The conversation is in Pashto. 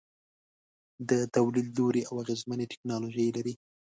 د تولید لوړې او اغیزمنې ټیکنالوجۍ لري.